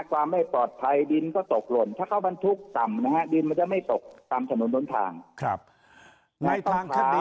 ความไม่ปลอดภัยดินก็ตกหล่นถ้าเขาบรรทุกต่ำนะฮะดินมันจะไม่ตกตามถนนล้นทางนี้